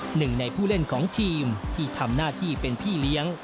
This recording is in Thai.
หนึ่งในผู้เล่นของทีมที่ทำหน้าที่เป็นพี่เลี้ยง